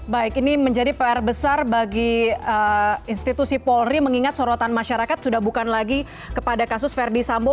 baik ini menjadi pr besar bagi institusi polri mengingat sorotan masyarakat sudah bukan lagi kepada kasus verdi sambo